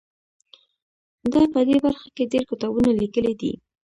ده په دې برخه کې ډیر کتابونه لیکلي دي.